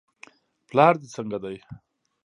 پلار دې څنګه دی.